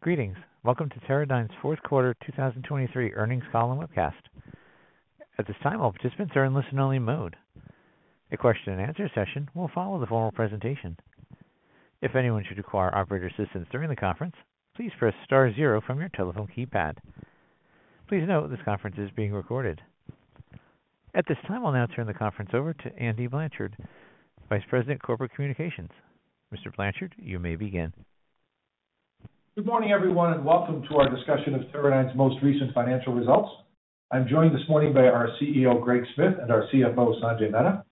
Greetings. Welcome to Teradyne's Q4 2023 earnings call and webcast. At this time, all participants are in listen-only mode. A question-and-answer session will follow the formal presentation. If anyone should require operator assistance during the conference, please press star zero from your telephone keypad. Please note, this conference is being recorded. At this time, I'll now turn the conference over to Andy Blanchard, Vice President, Corporate Communications. Mr. Blanchard, you may begin. Good morning, everyone, and welcome to our discussion of Teradyne's most recent financial results. I'm joined this morning by our CEO, Greg Smith, and our CFO, Sanjay Mehta.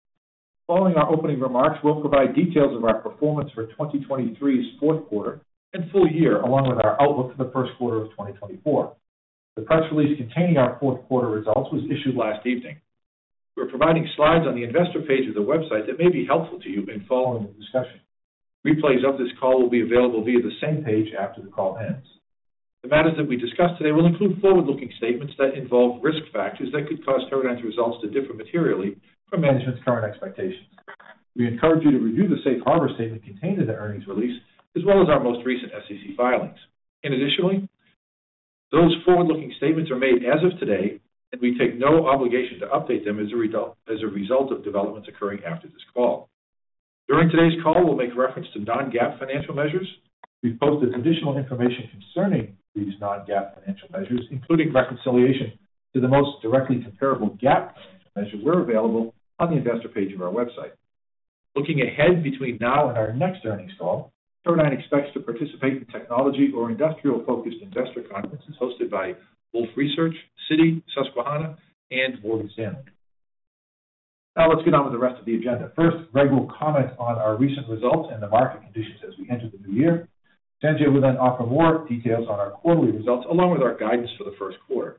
Following our opening remarks, we'll provide details of our performance for 2023's Q4 and full year, along with our outlook for the Q1 of 2024. The press release containing our Q4 results was issued last evening. We're providing slides on the investor page of the website that may be helpful to you in following the discussion. Replays of this call will be available via the same page after the call ends. The matters that we discuss today will include forward-looking statements that involve risk factors that could cause Teradyne's results to differ materially from management's current expectations. We encourage you to review the safe harbor statement contained in the earnings release, as well as our most recent SEC filings. Additionally, those forward-looking statements are made as of today, and we take no obligation to update them as a result, as a result of developments occurring after this call. During today's call, we'll make reference to non-GAAP financial measures. We've posted additional information concerning these non-GAAP financial measures, including reconciliation to the most directly comparable GAAP financial measures where available on the investor page of our website. Looking ahead between now and our next earnings call, Teradyne expects to participate in technology or industrial-focused investor conferences hosted by Wolfe Research, Citi, Susquehanna, and Morgan Stanley. Now, let's get on with the rest of the agenda. First, Greg will comment on our recent results and the market conditions as we enter the new year. Sanjay will then offer more details on our quarterly results, along with our guidance for the Q1.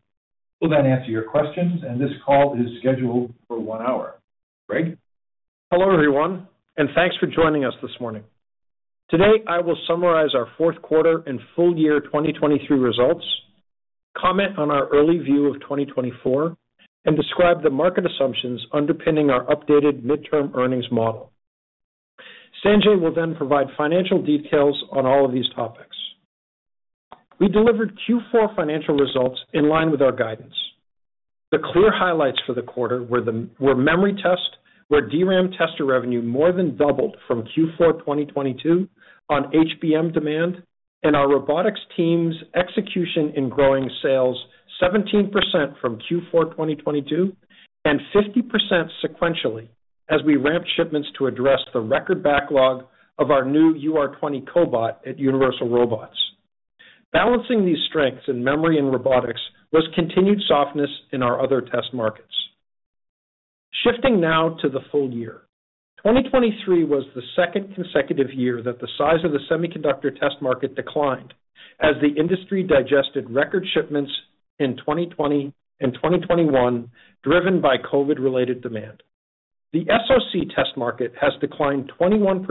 We'll then answer your questions, and this call is scheduled for one hour. Greg? Hello, everyone, and thanks for joining us this morning. Today, I will summarize our Q4 and full year 2023 results, comment on our early view of 2024, and describe the market assumptions underpinning our updated midterm earnings model. Sanjay will then provide financial details on all of these topics. We delivered Q4 financial results in line with our guidance. The clear highlights for the quarter were Memory Test, where DRAM tester revenue more than doubled from Q4 2022 on HBM demand, and our Robotics team's execution in growing sales 17% from Q4 2022, and 50% sequentially as we ramped shipments to address the record backlog of our new UR20 cobot at Universal Robots. Balancing these strengths in Memory and Robotics was continued softness in our other test markets. Shifting now to the full year. 2023 was the second consecutive year that the size of the Semiconductor Test market declined as the industry digested record shipments in 2020 and 2021, driven by COVID-related demand. The SoC Test market has declined 21%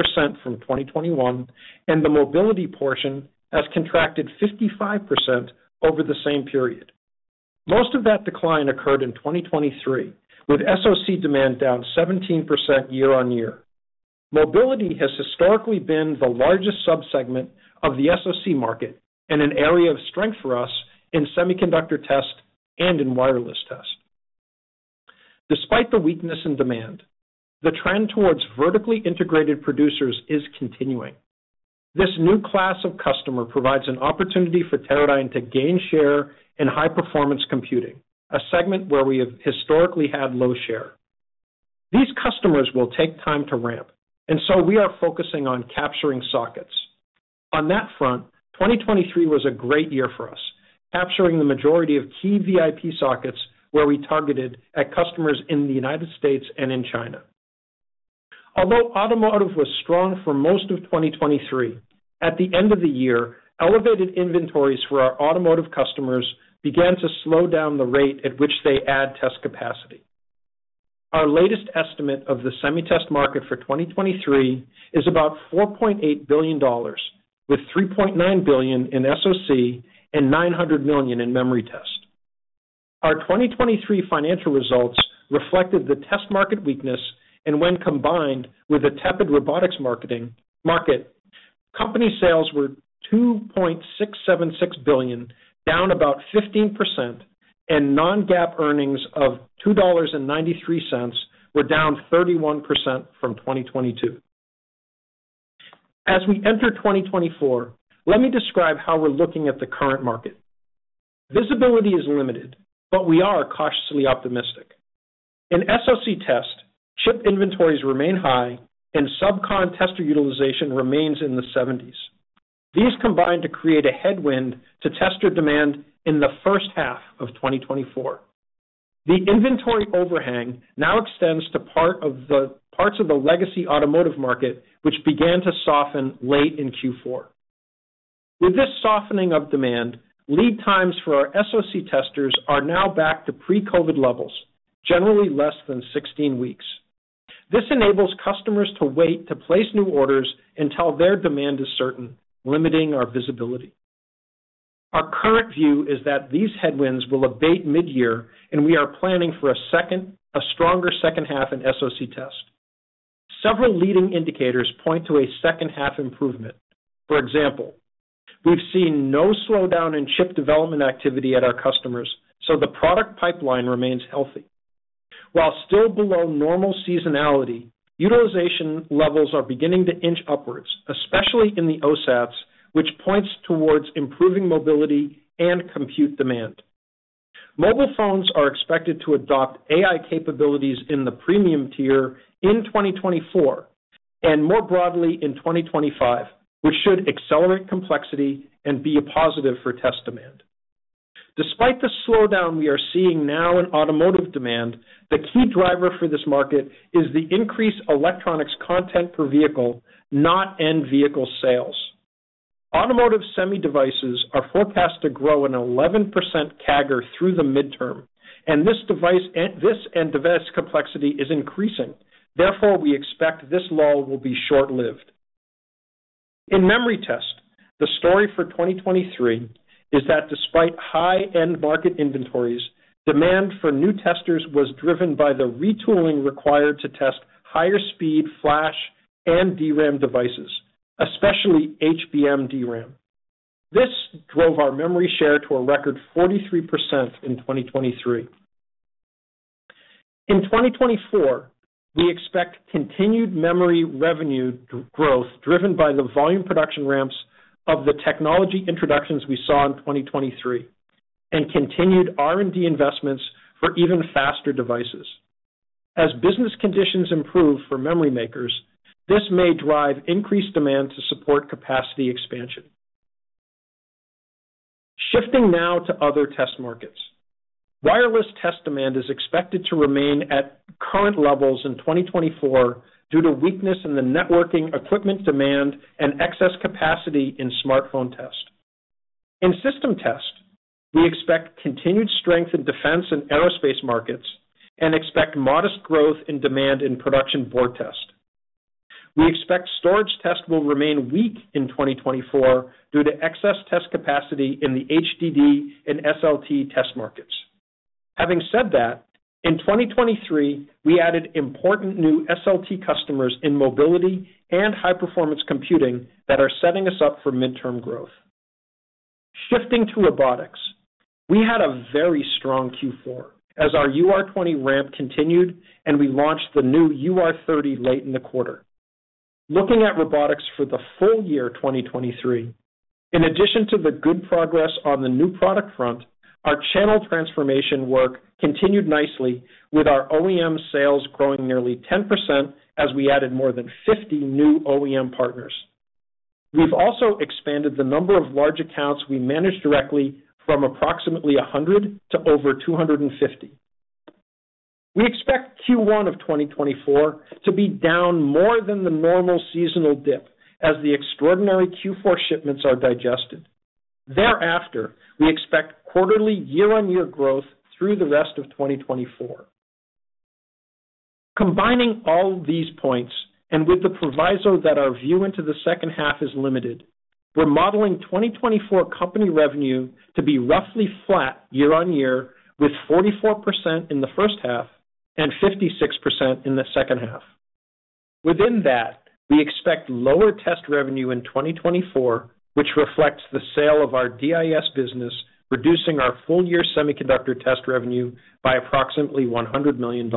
from 2021, and the mobility portion has contracted 55% over the same period. Most of that decline occurred in 2023, with SoC demand down 17% year-on-year. Mobility has historically been the largest subsegment of the SoC market and an area of strength for us in Semiconductor Test and in Wireless Test. Despite the weakness in demand, the trend towards vertically integrated producers is continuing. This new class of customer provides an opportunity for Teradyne to gain share in high-performance computing, a segment where we have historically had low share. These customers will take time to ramp, and so we are focusing on capturing sockets. On that front, 2023 was a great year for us, capturing the majority of key VIP sockets where we targeted at customers in the United States and in China. Although automotive was strong for most of 2023, at the end of the year, elevated inventories for our automotive customers began to slow down the rate at which they add test capacity. Our latest estimate of the semi test market for 2023 is about $4.8 billion, with $3.9 billion in SoC and $900 million in Memory Test. Our 2023 financial results reflected the test market weakness, and when combined with a tepid robotics market, company sales were $2.676 billion, down about 15%, and non-GAAP earnings of $2.93 were down 31% from 2022. As we enter 2024, let me describe how we're looking at the current market. Visibility is limited, but we are cautiously optimistic. In SoC Test, chip inventories remain high and subcon tester utilization remains in the 70s. These combine to create a headwind to tester demand in the first half of 2024. The inventory overhang now extends to parts of the legacy automotive market, which began to soften late in Q4. With this softening of demand, lead times for our SoC Testers are now back to pre-COVID levels, generally less than 16 weeks. This enables customers to wait to place new orders until their demand is certain, limiting our visibility. Our current view is that these headwinds will abate mid-year, and we are planning for a stronger second half in SoC Test. Several leading indicators point to a second-half improvement. For example, we've seen no slowdown in chip development activity at our customers, so the product pipeline remains healthy. While still below normal seasonality, utilization levels are beginning to inch upwards, especially in the OSATs, which points towards improving mobility and compute demand. Mobile phones are expected to adopt AI capabilities in the premium tier in 2024, and more broadly, in 2025, which should accelerate complexity and be a positive for test demand. Despite the slowdown we are seeing now in automotive demand, the key driver for this market is the increased electronics content per vehicle, not end vehicle sales. Automotive semi devices are forecast to grow an 11% CAGR through the midterm, and device complexity is increasing. Therefore, we expect this lull will be short-lived. In Memory Test, the story for 2023 is that despite high-end market inventories, demand for new testers was driven by the retooling required to test higher speed flash and DRAM devices, especially HBM DRAM. This drove our memory share to a record 43% in 2023. In 2024, we expect continued Memory revenue growth, driven by the volume production ramps of the technology introductions we saw in 2023, and continued R&D investments for even faster devices. As business conditions improve for Memory makers, this may drive increased demand to support capacity expansion. Shifting now to other test markets. Wireless Test demand is expected to remain at current levels in 2024 due to weakness in the networking equipment demand and excess capacity in smartphone test. In System Test, we expect continued strength in Defense and Aerospace markets and expect modest growth in demand in Production Board Test. We expect Storage Test will remain weak in 2024 due to excess test capacity in the HDD and SLT test markets. Having said that, in 2023, we added important new SLT customers in mobility and high-performance computing that are setting us up for midterm growth. Shifting to Robotics. We had a very strong Q4 as our UR20 ramp continued, and we launched the new UR30 late in the quarter. Looking at Robotics for the full year, 2023, in addition to the good progress on the new product front, our channel transformation work continued nicely with our OEM sales growing nearly 10% as we added more than 50 new OEM partners. We've also expanded the number of large accounts we manage directly from approximately 100 to over 250. We expect Q1 of 2024 to be down more than the normal seasonal dip as the extraordinary Q4 shipments are digested. Thereafter, we expect quarterly year-on-year growth through the rest of 2024. Combining all these points, and with the proviso that our view into the second half is limited, we're modeling 2024 company revenue to be roughly flat year-on-year, with 44% in the first half and 56% in the second half. Within that, we expect lower test revenue in 2024, which reflects the sale of our DIS business, reducing our full year Semiconductor Test revenue by approximately $100 million.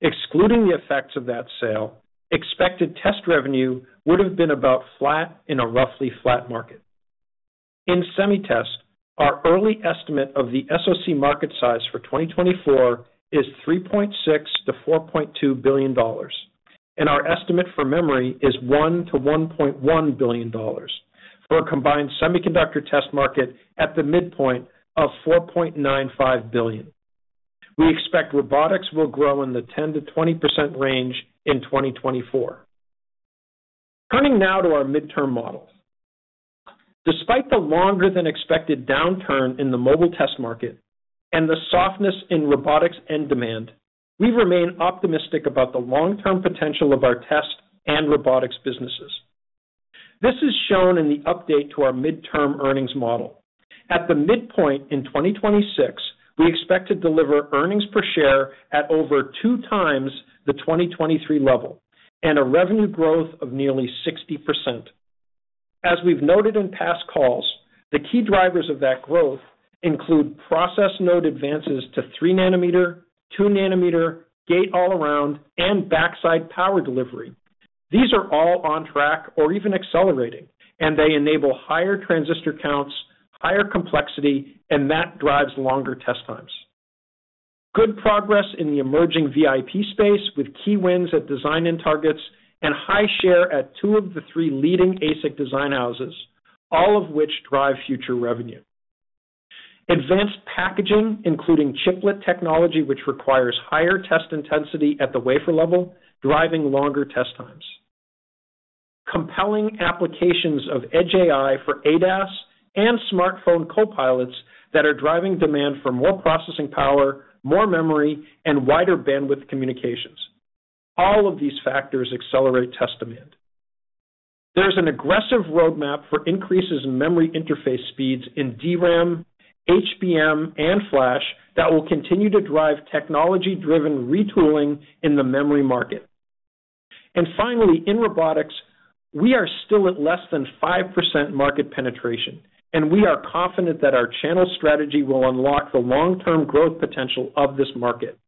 Excluding the effects of that sale, expected test revenue would have been about flat in a roughly flat market. In Semi Test, our early estimate of the SoC market size for 2024 is $3.6 billion-$4.2 billion, and our estimate for Memory is $1 billion-$1.1 billion, for a combined Semiconductor Test market at the midpoint of $4.95 billion. We expect Robotics will grow in the 10%-20% range in 2024. Coming now to our midterm model. Despite the longer than expected downturn in the Mobile Test market and the softness in Robotics end demand, we remain optimistic about the long-term potential of our Test and Robotics businesses. This is shown in the update to our midterm earnings model. At the midpoint in 2026, we expect to deliver earnings per share at over two times the 2023 level, and a revenue growth of nearly 60%. As we've noted in past calls, the key drivers of that growth include process node advances to 3-nanometer, 2-nanometer, gate-all-around, and backside power delivery. These are all on track or even accelerating, and they enable higher transistor counts, higher complexity, and that drives longer test times. Good progress in the emerging VIP space, with key wins at design-in targets and high share at two of the three leading ASIC design houses, all of which drive future revenue. Advanced packaging, including chiplet technology, which requires higher test intensity at the wafer level, driving longer test times. Compelling applications of Edge AI for ADAS and smartphone copilots that are driving demand for more processing power, more memory, and wider bandwidth communications. All of these factors accelerate test demand. There's an aggressive roadmap for increases in memory interface speeds in DRAM, HBM, and Flash that will continue to drive technology-driven retooling in the Memory market. And finally, in Robotics, we are still at less than 5% market penetration, and we are confident that our channel strategy will unlock the long-term growth potential of this market.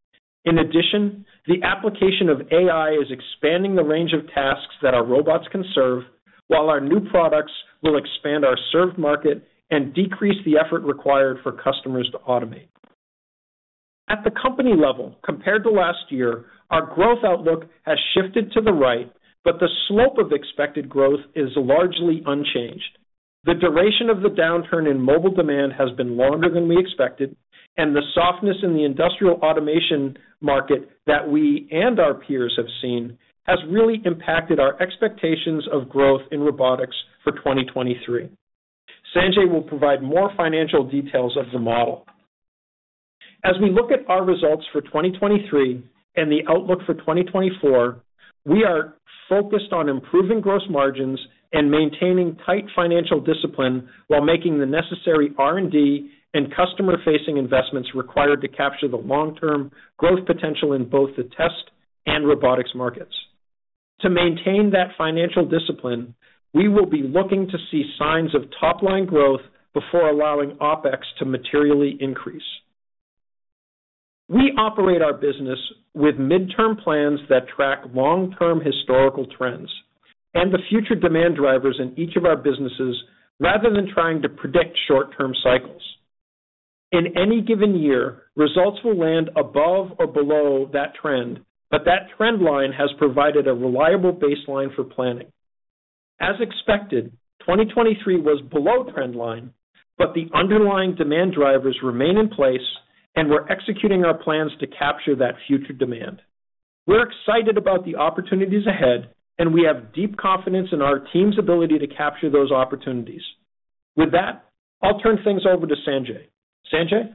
In addition, the application of AI is expanding the range of tasks that our robots can serve, while our new products will expand our served market and decrease the effort required for customers to automate. At the company level, compared to last year, our growth outlook has shifted to the right, but the slope of expected growth is largely unchanged. The duration of the downturn in mobile demand has been longer than we expected, and the softness in the industrial automation market that we and our peers have seen, has really impacted our expectations of growth in Robotics for 2023. Sanjay will provide more financial details of the model. As we look at our results for 2023 and the outlook for 2024, we are focused on improving gross margins and maintaining tight financial discipline while making the necessary R&D and customer-facing investments required to capture the long-term growth potential in both the Test and Robotics markets. To maintain that financial discipline, we will be looking to see signs of top-line growth before allowing OpEx to materially increase. We operate our business with midterm plans that track long-term historical trends and the future demand drivers in each of our businesses, rather than trying to predict short-term cycles. In any given year, results will land above or below that trend, but that trend line has provided a reliable baseline for planning. As expected, 2023 was below trend line, but the underlying demand drivers remain in place, and we're executing our plans to capture that future demand. We're excited about the opportunities ahead, and we have deep confidence in our team's ability to capture those opportunities. With that, I'll turn things over to Sanjay. Sanjay?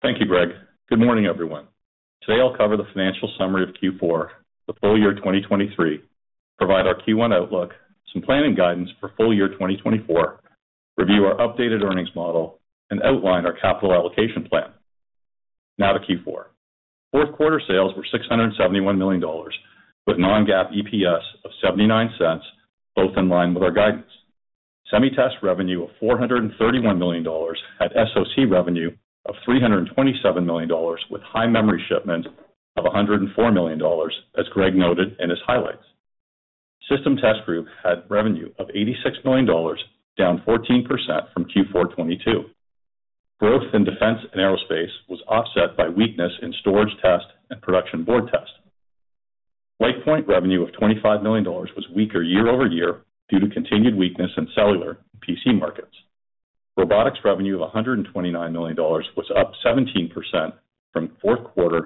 Thank you, Greg. Good morning, everyone. Today, I'll cover the financial summary of Q4, the full year 2023, provide our Q1 outlook, some planning guidance for full year 2024, review our updated earnings model, and outline our capital allocation plan. Now to Q4. Q4 sales were $671 million, with non-GAAP EPS of $0.79, both in line with our guidance. Semi Test revenue of $431 million had SoC revenue of $327 million, with high memory shipments of $104 million, as Greg noted in his highlights. System Test Group had revenue of $86 million, down 14% from Q4 2022. Growth in Defense and Aerospace was offset by weakness in Storage Test and Production Board Test. LitePoint revenue of $25 million was weaker year-over-year due to continued weakness in cellular PC markets. Robotics revenue of $129 million was up 17% from Q4 of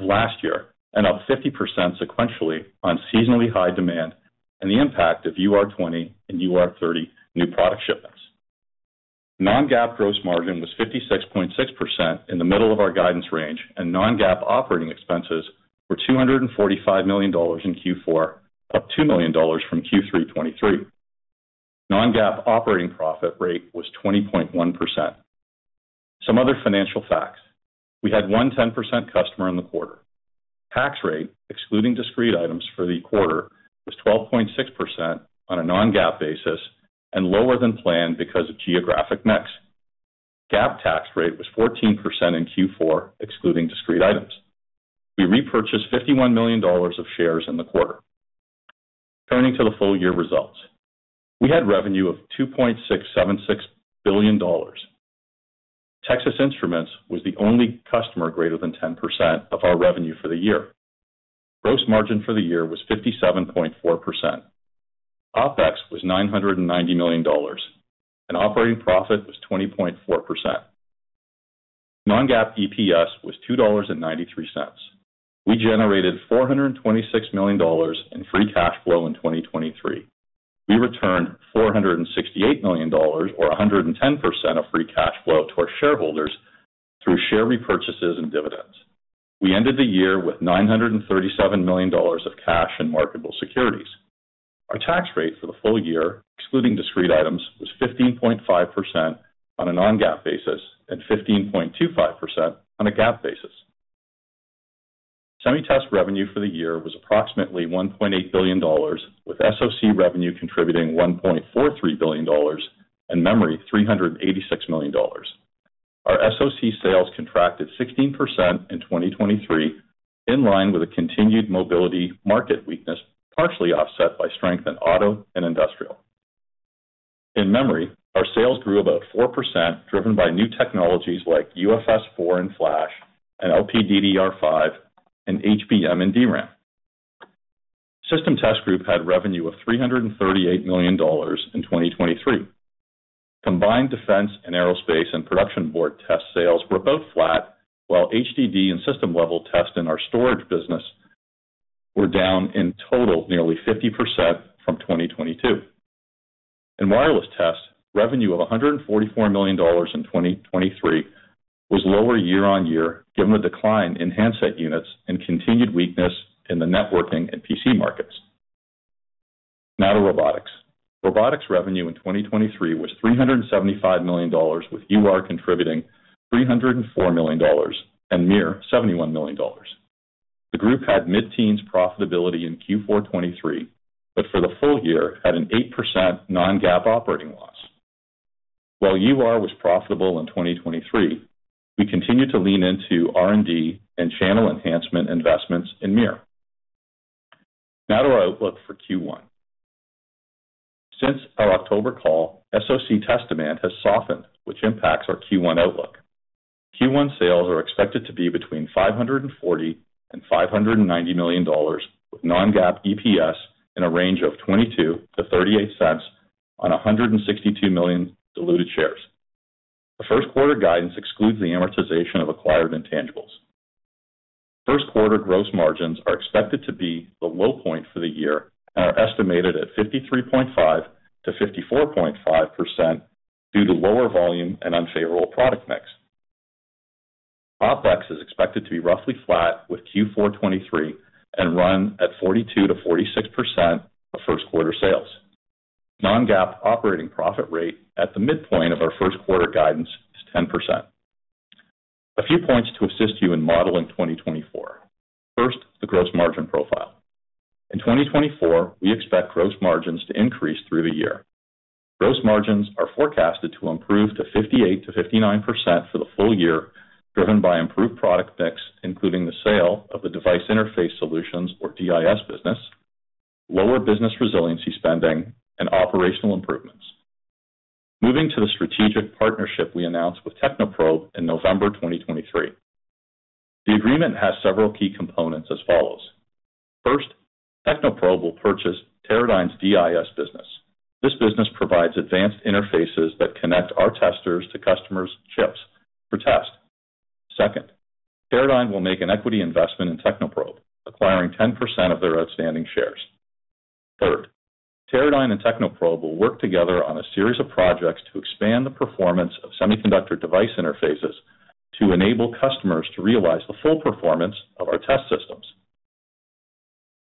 last year, and up 50% sequentially on seasonally high demand and the impact of UR20 and UR30 new product shipments. Non-GAAP gross margin was 56.6% in the middle of our guidance range, and non-GAAP operating expenses were $245 million in Q4, up $2 million from Q3 2023. Non-GAAP operating profit rate was 20.1%. Some other financial facts. We had one 10% customer in the quarter. Tax rate, excluding discrete items for the quarter, was 12.6% on a non-GAAP basis and lower than planned because of geographic mix. GAAP tax rate was 14% in Q4, excluding discrete items. We repurchased $51 million of shares in the quarter. Turning to the full year results. We had revenue of $2.676 billion. Texas Instruments was the only customer greater than 10% of our revenue for the year. Gross margin for the year was 57.4%. OpEx was $990 million, and operating profit was 20.4%. Non-GAAP EPS was $2.93. We generated $426 million in free cash flow in 2023. We returned $468 million or 110% of free cash flow to our shareholders through share repurchases and dividends. We ended the year with $937 million of cash and marketable securities. Our tax rate for the full year, excluding discrete items, was 15.5% on a non-GAAP basis and 15.25% on a GAAP basis. Semi Test revenue for the year was approximately $1.8 billion, with SoC revenue contributing $1.43 billion, and Memory, $386 million. Our SoC sales contracted 16% in 2023, in line with the continued mobility market weakness, partially offset by strength in auto and industrial. In Memory, our sales grew about 4%, driven by new technologies like UFS 4 and Flash, and LPDDR5, and HBM, and DRAM. System Test Group had revenue of $338 million in 2023. Combined Defense and Aerospace and Production Board Test sales were both flat, while HDD and system-level test in our storage business were down in total, nearly 50% from 2022. In Wireless Tests, revenue of $144 million in 2023 was lower year-over-year, given the decline in handset units and continued weakness in the networking and PC markets. Now to Robotics. Robotics revenue in 2023 was $375 million, with UR contributing $304 million and MiR, $71 million. The group had mid-teens profitability in Q4 2023, but for the full year, had an 8% non-GAAP operating loss. While UR was profitable in 2023, we continued to lean into R&D and channel enhancement investments in MiR. Now to our outlook for Q1. Since our October call, SoC Test demand has softened, which impacts our Q1 outlook. Q1 sales are expected to be between $540 million and $590 million, with non-GAAP EPS in a range of $0.22-$0.38 on 162 million diluted shares. The Q1 guidance excludes the amortization of acquired intangibles. Q1 gross margins are expected to be the low point for the year and are estimated at 53.5%-54.5% due to lower volume and unfavorable product mix. OpEx is expected to be roughly flat with Q4 2023 and run at 42%-46% of Q1 sales. Non-GAAP operating profit rate at the midpoint of our Q1 guidance is 10%. A few points to assist you in modeling 2024. First, the gross margin profile. In 2024, we expect gross margins to increase through the year. Gross margins are forecasted to improve to 58%-59% for the full year, driven by improved product mix, including the sale of the Device Interface Solutions, or DIS, business, lower business resiliency spending, and operational improvements. Moving to the strategic partnership we announced with Technoprobe in November 2023. The agreement has several key components as follows. First, Technoprobe will purchase Teradyne's DIS business. This business provides advanced interfaces that connect our testers to customers' chips for test. Second, Teradyne will make an equity investment in Technoprobe, acquiring 10% of their outstanding shares. Third, Teradyne and Technoprobe will work together on a series of projects to expand the performance of semiconductor device interfaces to enable customers to realize the full performance of our test systems.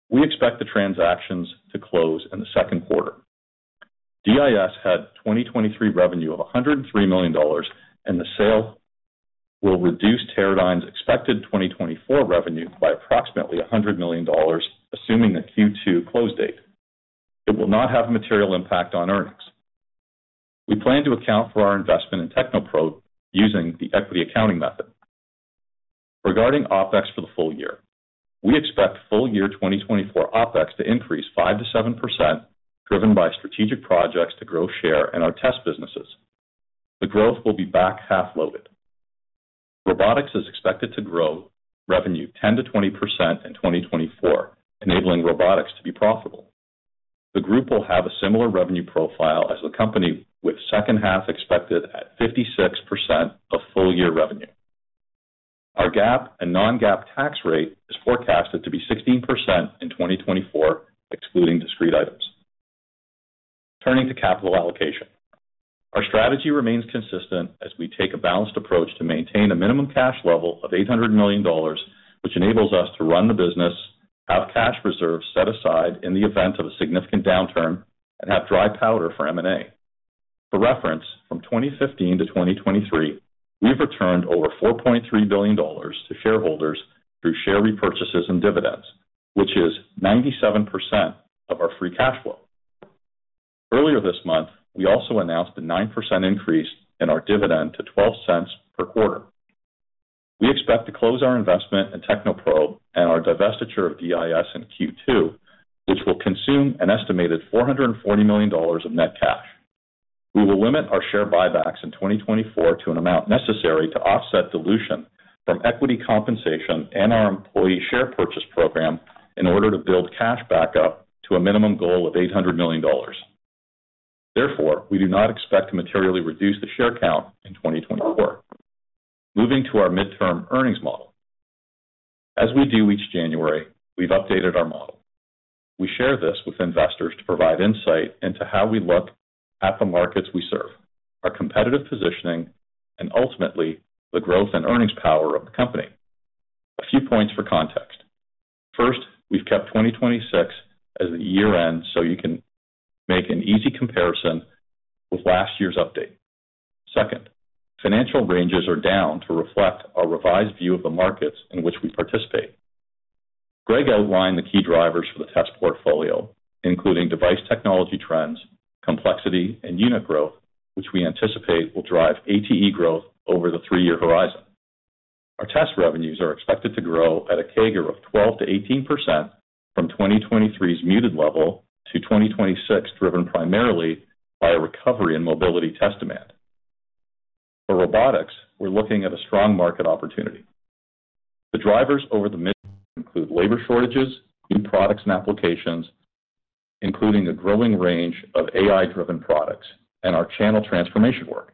We expect the transactions to close in the Q2. DIS had 2023 revenue of $103 million, and the sale will reduce Teradyne's expected 2024 revenue by approximately $100 million, assuming the Q2 close date. It will not have a material impact on earnings. We plan to account for our investment in Technoprobe using the equity accounting method. Regarding OpEx for the full year, we expect full year 2024 OpEx to increase 5%-7%, driven by strategic projects to grow share in our test businesses. The growth will be back half loaded. Robotics is expected to grow revenue 10%-20% in 2024, enabling Robotics to be profitable. The group will have a similar revenue profile as the company, with second half expected at 56% of full year revenue. Our GAAP and non-GAAP tax rate is forecasted to be 16% in 2024, excluding discrete items. Turning to capital allocation. Our strategy remains consistent as we take a balanced approach to maintain a minimum cash level of $800 million, which enables us to run the business, have cash reserves set aside in the event of a significant downturn, and have dry powder for M&A. For reference, from 2015 to 2023, we've returned over $4.3 billion to shareholders through share repurchases and dividends, which is 97% of our free cash flow. Earlier this month, we also announced a 9% increase in our dividend to $0.12 per quarter. We expect to close our investment in Technoprobe and our divestiture of DIS in Q2, which will consume an estimated $440 million of net cash. We will limit our share buybacks in 2024 to an amount necessary to offset dilution from equity compensation and our employee share purchase program in order to build cash back up to a minimum goal of $800 million. Therefore, we do not expect to materially reduce the share count in 2024. Moving to our midterm earnings model. As we do each January, we've updated our model. We share this with investors to provide insight into how we look at the markets we serve, our competitive positioning, and ultimately, the growth and earnings power of the company. A few points for context. First, we've kept 2026 as the year-end so you can make an easy comparison with last year's update. Second, financial ranges are down to reflect our revised view of the markets in which we participate. Greg outlined the key drivers for the test portfolio, including device technology trends, complexity, and unit growth, which we anticipate will drive ATE growth over the three-year horizon. Our test revenues are expected to grow at a CAGR of 12%-18% from 2023's muted level to 2026, driven primarily by a recovery in mobility test demand. For Robotics, we're looking at a strong market opportunity. The drivers over the mid include labor shortages, new products and applications, including a growing range of AI-driven products and our channel transformation work.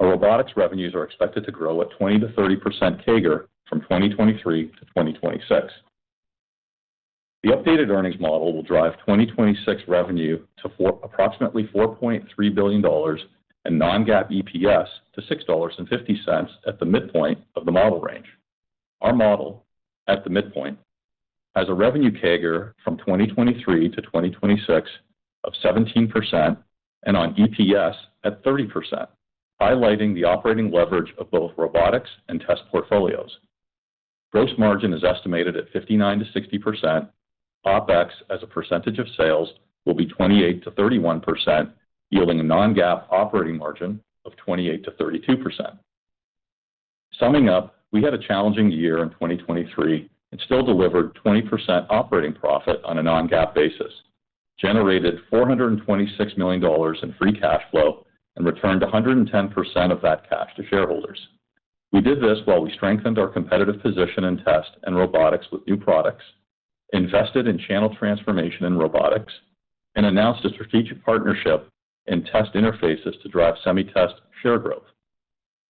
Robotics revenues are expected to grow at 20%-30% CAGR from 2023 to 2026. The updated earnings model will drive 2026 revenue to approximately $4.3 billion and non-GAAP EPS to $6.50 at the midpoint of the model range. Our model, at the midpoint, has a revenue CAGR from 2023 to 2026 of 17% and on EPS at 30%, highlighting the operating leverage of both Robotics and Test Portfolios. Gross margin is estimated at 59%-60%. OpEx, as a percentage of sales, will be 28%-31%, yielding a non-GAAP operating margin of 28%-32%. Summing up, we had a challenging year in 2023 and still delivered 20% operating profit on a non-GAAP basis, generated $426 million in free cash flow, and returned 110% of that cash to shareholders. We did this while we strengthened our competitive position in Test and Robotics with new products, invested in channel transformation in Robotics, and announced a strategic partnership in Test Interfaces to drive Semi Test share growth.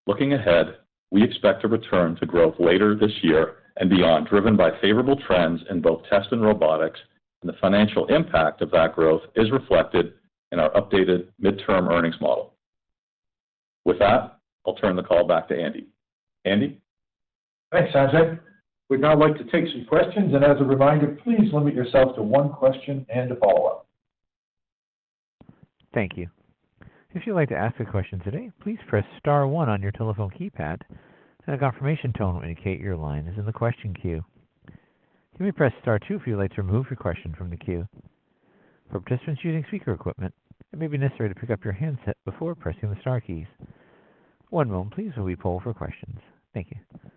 Looking ahead, we expect to return to growth later this year and beyond, driven by favorable trends in both Test and Robotics, and the financial impact of that growth is reflected in our updated midterm earnings model. With that, I'll turn the call back to Andy. Andy? Thanks, Sanjay. We'd now like to take some questions, and as a reminder, please limit yourself to one question and a follow-up. Thank you. If you'd like to ask a question today, please press star one on your telephone keypad. A confirmation tone will indicate your line is in the question queue. You may press star two if you'd like to remove your question from the queue. For participants using speaker equipment, it may be necessary to pick up your handset before pressing the star keys. One moment please, while we poll for questions. Thank you.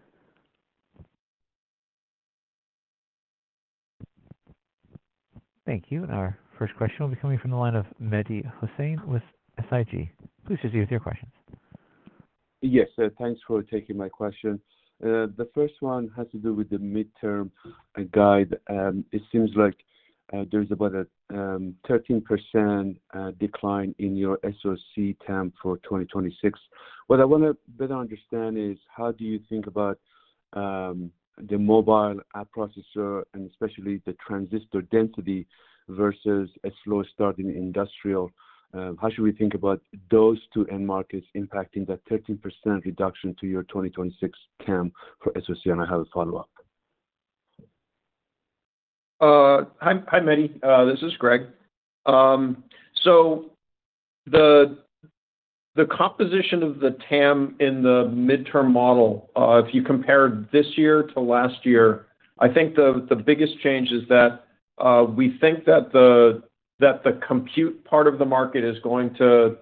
Thank you. Our first question will be coming from the line of Mehdi Hosseini with SIG. Please proceed with your questions. Yes, thanks for taking my question. The first one has to do with the midterm guide. It seems like, there's about a thirteen percent decline in your SoC TAM for 2026. What I want to better understand is: how do you think about the mobile app processor and especially the transistor density versus a slow start in industrial? How should we think about those two end markets impacting that 13% reduction to your 2026 TAM for SoC? And I have a follow-up. Hi, hi, Mehdi. This is Greg. So the composition of the TAM in the midterm model, if you compared this year to last year, I think the biggest change is that we think that the compute part of the market is going to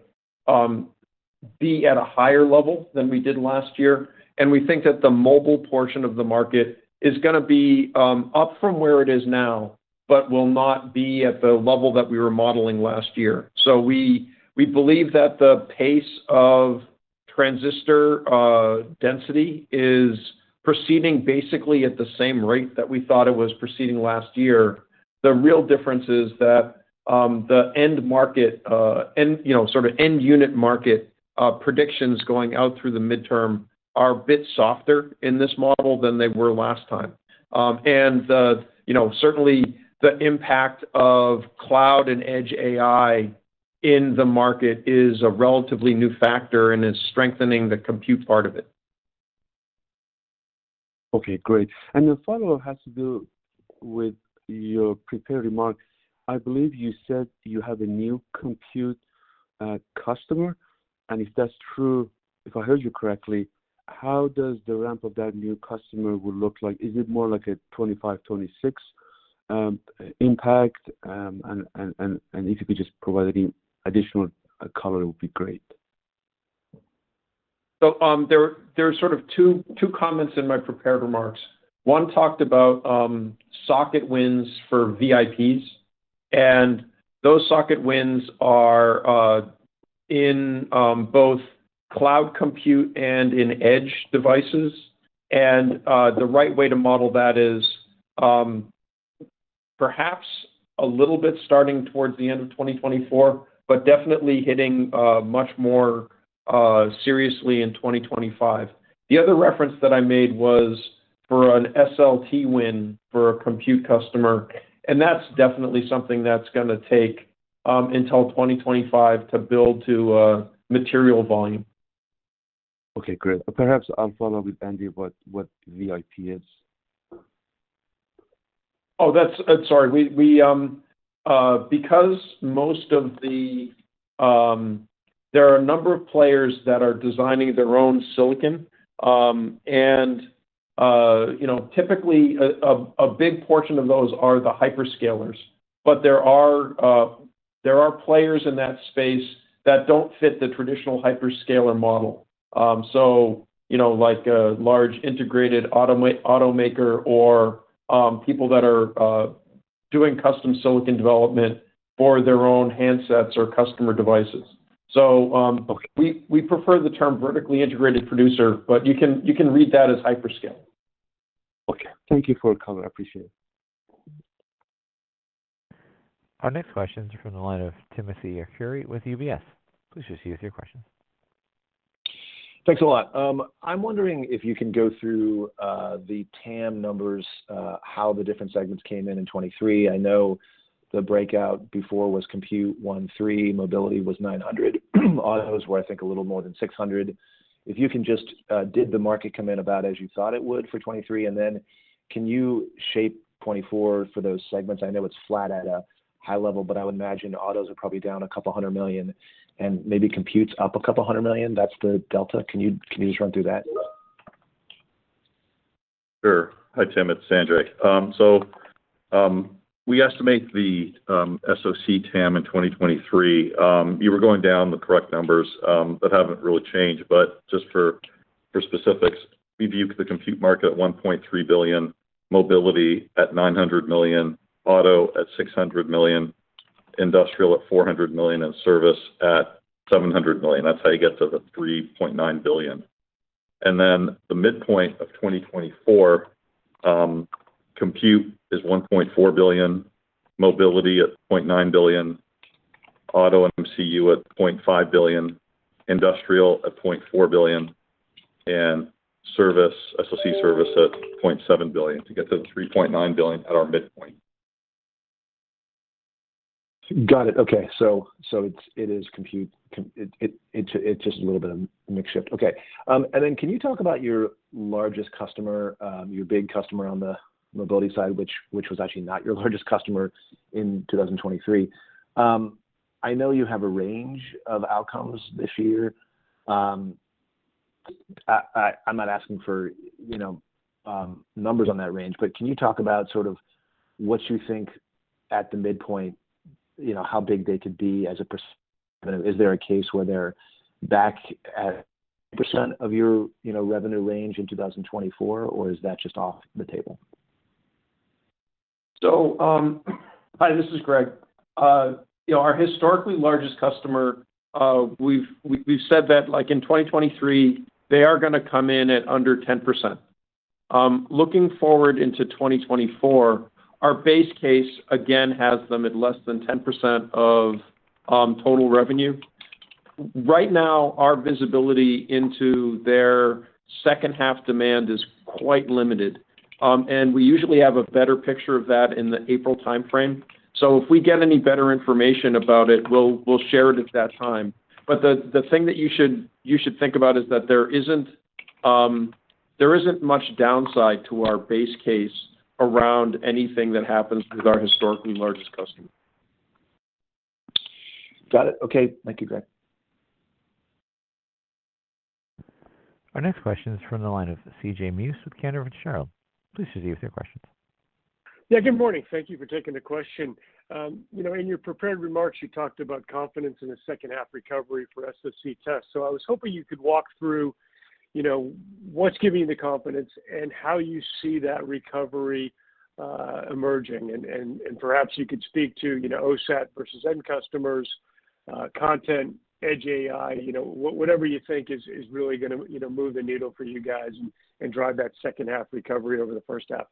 be at a higher level than we did last year. And we think that the mobile portion of the market is gonna be up from where it is now, but will not be at the level that we were modeling last year. So we believe that the pace of transistor density is proceeding basically at the same rate that we thought it was proceeding last year. The real difference is that, the end market, you know, sort of end unit market, predictions going out through the midterm are a bit softer in this model than they were last time. And you know, certainly the impact of cloud and Edge AI in the market is a relatively new factor and is strengthening the compute part of it. Okay, great. And the follow-up has to do with your prepared remarks. I believe you said you have a new compute customer, and if that's true, if I heard you correctly, how does the ramp of that new customer would look like? Is it more like a 2025-2026 impact? And if you could just provide any additional color, it would be great. So, there are sort of two comments in my prepared remarks. One talked about socket wins for VIPs, and those socket wins are in both cloud compute and in edge devices. And, the right way to model that is perhaps a little bit starting towards the end of 2024, but definitely hitting much more seriously in 2025. The other reference that I made was for an SLT win for a compute customer, and that's definitely something that's gonna take until 2025 to build to a material volume. Okay, great. Perhaps I'll follow with Andy what, what VIP is. Oh, that's—sorry, because most of the... There are a number of players that are designing their own silicon. You know, typically a big portion of those are the hyperscalers, but there are players in that space that don't fit the traditional hyperscaler model. So, you know, like a large integrated automaker or people that are doing custom silicon development for their own handsets or customer devices. So, Okay. We prefer the term vertically integrated producer, but you can read that as hyperscaler. Okay. Thank you for the comment. I appreciate it. Our next question is from the line of Timothy Arcuri with UBS. Please proceed with your question. Thanks a lot. I'm wondering if you can go through the TAM numbers, how the different segments came in in 2023. I know the breakout before was Compute, 1,300, Mobility was 900. Autos were, I think, a little more than 600. If you can just did the market come in about as you thought it would for 2023? And then can you shape 2024 for those segments? I know it's flat at a high level, but I would imagine autos are probably down a couple $100 million and maybe Compute's up a couple $100 million. That's the delta. Can you just run through that? Sure. Hi, Tim, it's Andrew. So, we estimate the SoC TAM in 2023. You were going down the correct numbers that haven't really changed, but just for specifics, we view the Compute market at $1.3 billion, Mobility at $900 million, Auto at $600 million, Industrial at $400 million, and Service at $700 million. That's how you get to the $3.9 billion. And then the midpoint of 2024, Compute is $1.4 billion, Mobility at $0.9 billion, Auto and MCU at $0.5 billion, Industrial at $0.4 billion, and Service, SoC Service at $0.7 billion to get to the $3.9 billion at our midpoint. Got it. Okay. So it's Compute. It's just a little bit of a mix shift. Okay. And then can you talk about your largest customer, your big customer on the Mobility side, which was actually not your largest customer in 2023? I know you have a range of outcomes this year. I'm not asking for, you know, numbers on that range, but can you talk about sort of what you think at the midpoint, you know, how big they could be as a percent. Is there a case where they're back at percent of your, you know, revenue range in 2024, or is that just off the table? Hi, this is Greg. You know, our historically largest customer, we've, we've, we've said that, like, in 2023, they are gonna come in at under 10%. Looking forward into 2024, our base case, again, has them at less than 10% of total revenue. Right now, our visibility into their second half demand is quite limited, and we usually have a better picture of that in the April timeframe. So if we get any better information about it, we'll, we'll share it at that time. But the, the thing that you should, you should think about is that there isn't, there isn't much downside to our base case around anything that happens with our historically largest customer. Got it. Okay. Thank you, Greg. Our next question is from the line of CJ Muse with Cantor Fitzgerald. Please proceed with your questions. Yeah, good morning. Thank you for taking the question. You know, in your prepared remarks, you talked about confidence in a second-half recovery for SoC Test. So I was hoping you could walk through, you know, what's giving you the confidence and how you see that recovery emerging. And perhaps you could speak to, you know, OSAT versus end customers, content, Edge AI, you know, whatever you think is really gonna, you know, move the needle for you guys and drive that second-half recovery over the first half.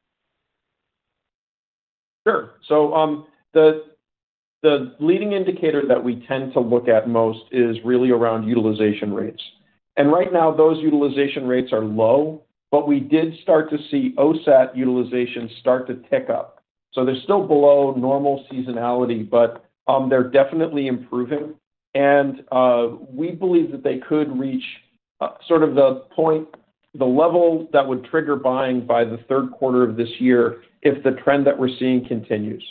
Sure. So, the leading indicator that we tend to look at most is really around utilization rates. And right now, those utilization rates are low, but we did start to see OSAT utilization start to tick up. So they're still below normal seasonality, but they're definitely improving. And we believe that they could reach sort of the point, the level that would trigger buying by the Q3 of this year, if the trend that we're seeing continues.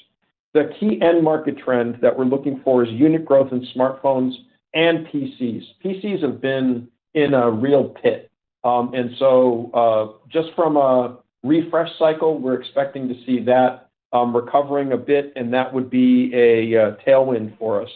The key end market trend that we're looking for is unit growth in smartphones and PCs. PCs have been in a real pit. And so, just from a refresh cycle, we're expecting to see that recovering a bit, and that would be a tailwind for us.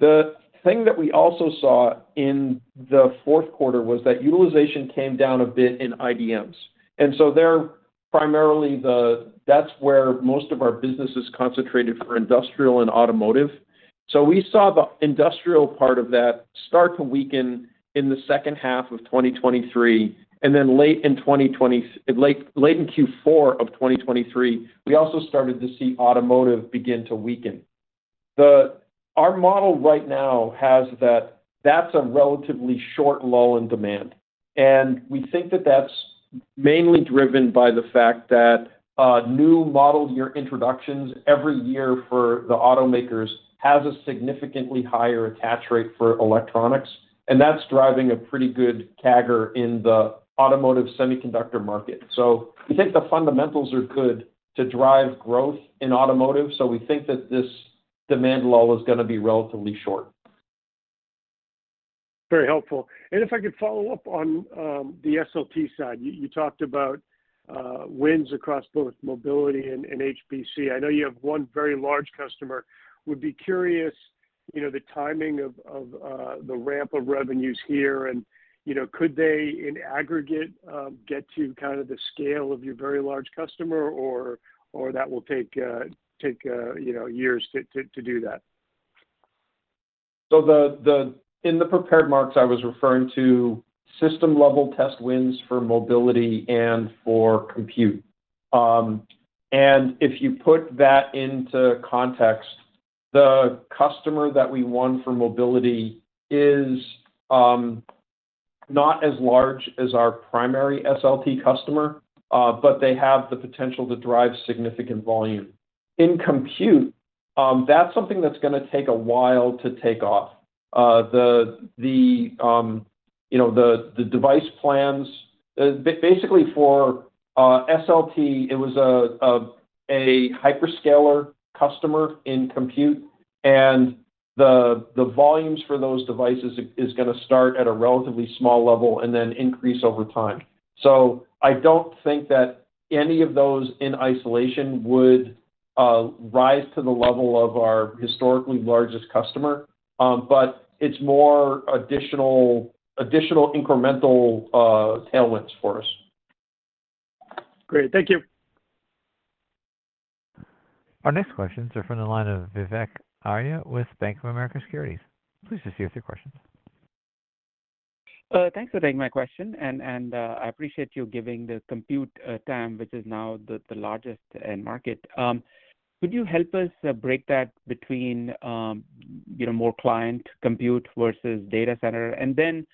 The thing that we also saw in the Q4 was that utilization came down a bit in IDMs, and so they're primarily the, that's where most of our business is concentrated for industrial and automotive. So we saw the industrial part of that start to weaken in the second half of 2023, and then late in 2023, late, late in Q4 of 2023, we also started to see automotive begin to weaken. Our model right now has that, that's a relatively short lull in demand, and we think that that's mainly driven by the fact that new model year introductions every year for the automakers has a significantly higher attach rate for electronics, and that's driving a pretty good CAGR in the automotive semiconductor market. We think the fundamentals are good to drive growth in automotive, so we think that this demand lull is gonna be relatively short. Very helpful. And if I could follow up on the SoC side. You talked about wins across both Mobility and HBC. I know you have one very large customer. Would be curious, you know, the timing of the ramp of revenues here, and, you know, could they, in aggregate, get to kind of the scale of your very large customer, or that will take, you know, years to do that?... So in the prepared remarks, I was referring to system-level test wins for mobility and for compute. And if you put that into context, the customer that we won for mobility is not as large as our primary SLT customer, but they have the potential to drive significant volume. In compute, that's something that's gonna take a while to take off. The device plans basically for SLT: it was a hyperscaler customer in compute, and the volumes for those devices is gonna start at a relatively small level and then increase over time. So I don't think that any of those in isolation would rise to the level of our historically largest customer, but it's more additional incremental tailwinds for us. Great. Thank you. Our next questions are from the line of Vivek Arya with Bank of America Securities. Please just give your questions. Thanks for taking my question, I appreciate you giving the compute TAM, which is now the largest end market. Could you help us break that between, you know, more client compute versus data center? And then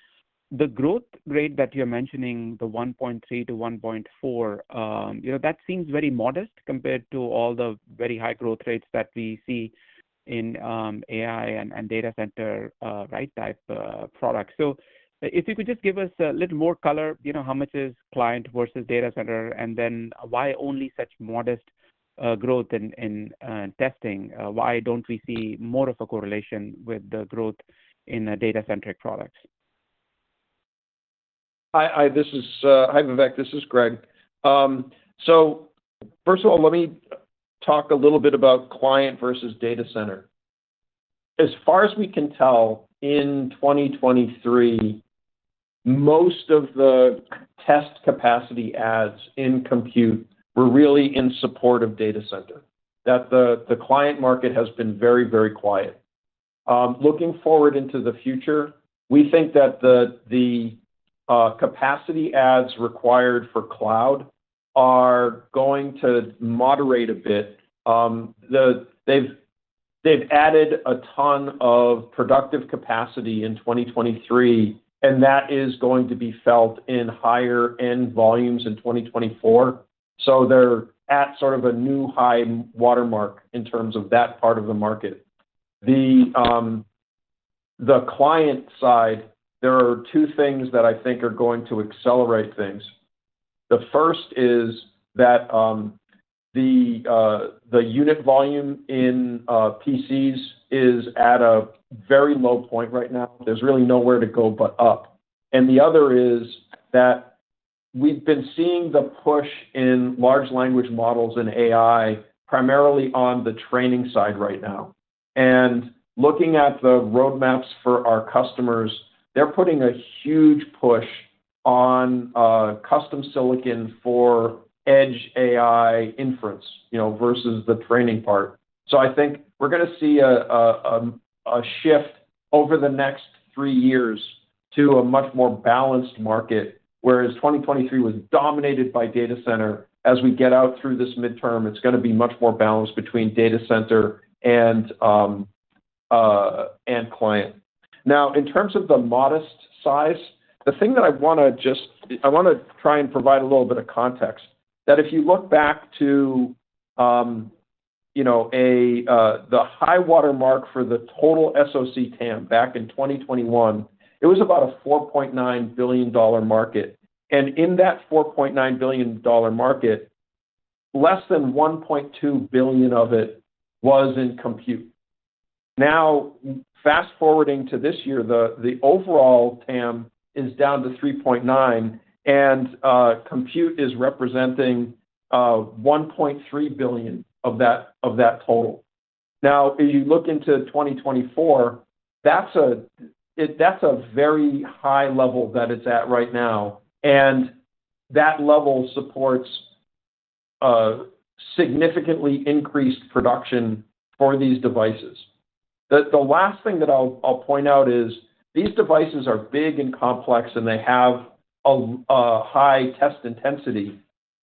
the growth rate that you're mentioning, the 1.3-1.4, you know, that seems very modest compared to all the very high growth rates that we see in AI and data center right type products. So if you could just give us a little more color, you know, how much is client versus data center? And then why only such modest growth in testing? Why don't we see more of a correlation with the growth in the data-centric products? Hi, Vivek, this is Greg. So first of all, let me talk a little bit about client versus data center. As far as we can tell, in 2023, most of the test capacity adds in compute were really in support of data center, that the client market has been very, very quiet. Looking forward into the future, we think that the capacity adds required for cloud are going to moderate a bit. They've added a ton of productive capacity in 2023, and that is going to be felt in higher end volumes in 2024. So they're at sort of a new high watermark in terms of that part of the market. The client side, there are two things that I think are going to accelerate things. The first is that, the unit volume in PCs is at a very low point right now. There's really nowhere to go but up. And the other is that we've been seeing the push in large language models and AI, primarily on the training side right now. And looking at the roadmaps for our customers, they're putting a huge push on custom silicon for Edge AI inference, you know, versus the training part. So I think we're gonna see a shift over the next three years to a much more balanced market. Whereas 2023 was dominated by data center, as we get out through this midterm, it's gonna be much more balanced between data center and client. Now, in terms of the modest size, the thing that I wanna just—I wanna try and provide a little bit of context. That if you look back to, you know, the high water mark for the total SoC TAM back in 2021, it was about a $4.9 billion market, and in that $4.9 billion market, less than $1.2 billion of it was in compute. Now, fast-forwarding to this year, the overall TAM is down to $3.9 billion, and compute is representing $1.3 billion of that, of that total. Now, if you look into 2024, that's a, it—that's a very high level that it's at right now, and that level supports a significantly increased production for these devices. The last thing that I'll point out is, these devices are big and complex, and they have a high test intensity,